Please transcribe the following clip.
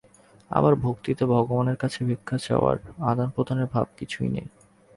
আবার ভক্তিতে ভগবানের কাছে ভিক্ষা চাওয়ার, আদান-প্রদানের ভাব কিছুই নাই।